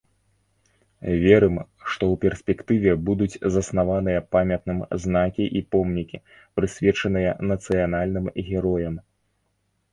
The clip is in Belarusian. Верым, што ў перспектыве будуць заснаваныя памятным знакі і помнікі, прысвечаныя нацыянальным героям.